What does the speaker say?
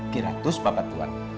kira kira seratus bapak tuhan